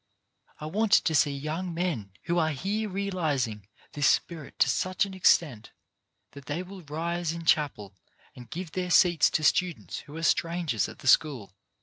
I want to see young men who are here realize this spirit to such an extent that they will rise in chapel and give their seats to students who are strangers at the school.